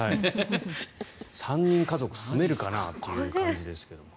３人家族住めるかなという感じですけども。